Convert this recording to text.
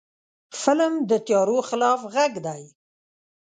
فلم د تیارو خلاف غږ دی